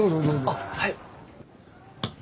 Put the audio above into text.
あっはい。